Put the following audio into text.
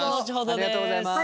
ありがとうございます。